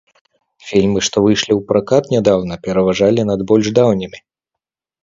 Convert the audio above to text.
Фільмы, што выйшлі ў пракат нядаўна, пераважалі над больш даўнімі.